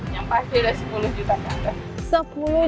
yang pasti udah sepuluh juta kakak